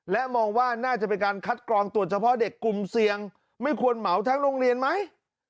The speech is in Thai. และมองว่าน่าจะเป็นการคัดกรองตรวจเฉพาะเด็กกลุ่มเสี่ยงไม่ควรเหมาทั้งโรงเรียนไหม